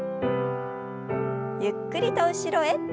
ゆっくりと後ろへ。